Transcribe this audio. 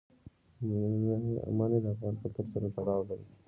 منی د افغان کلتور سره تړاو لري.